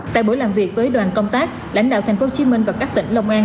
tại buổi làm việc với đoàn công tác lãnh đạo thành phố hồ chí minh và các tỉnh long an